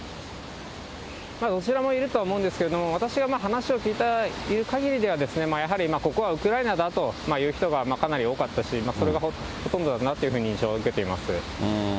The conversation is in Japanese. どちらもいるとは思うんですけれども、私が話を聞いているかぎりでは、やはりここはウクライナだと言う人がかなり多かったし、それがほとんどだなというふうに印象を受けています。